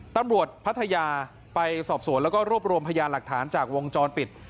พัทยาไปสอบสวนแล้วก็รวบรวมพยานหลักฐานจากวงจรปิด